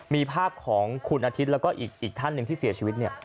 มีภาพของคุณอาทิตย์แล้วก็อีกท่านหนึ่งที่เสียชีวิตเนี่ย